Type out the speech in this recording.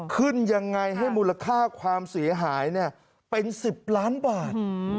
ขึ้นยังไงให้มูลค่าความเสียหายเป็น๑๐ล้านบาท